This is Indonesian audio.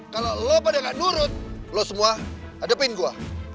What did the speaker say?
kalau lo pada gak nurut lo semua hadapin gua